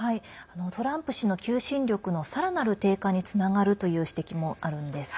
トランプ氏の求心力のさらなる低下につながるという指摘もあるんです。